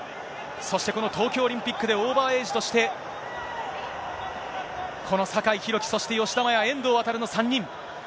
そしてこの東京オリンピックで、オーバーエイジとして、この酒井宏樹、そして吉田麻也、遠藤航の３人。